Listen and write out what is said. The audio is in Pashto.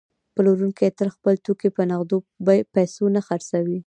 پلورونکی تل خپل توکي په نغدو پیسو نه خرڅوي